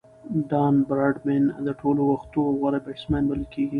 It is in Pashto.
ډان براډمن د ټولو وختو غوره بيټسمېن بلل کیږي.